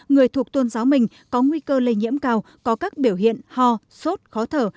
người thuộc tôn giáo mình có nguy cơ lây nhiễm cao có các biểu hiện ho sốt khó thở